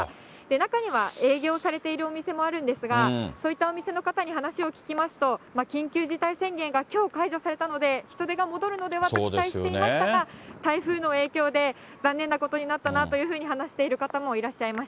中には営業されているお店もあるんですが、そういったお店の方に話を聞きますと、緊急事態宣言がきょう解除されたので、人出が戻るのではと期待していましたが、台風の影響で、残念なことになったなというふうに話している方もいらっしゃいま